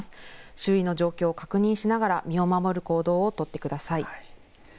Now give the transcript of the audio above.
周囲の状況を確認しながら身を守る行動を取ってください。